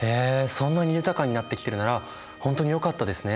そんなに豊かになってきてるなら本当によかったですね。